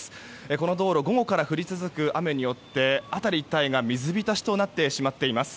この道路午後から降り続く雨によって辺り一帯が水浸しとなってしまっています。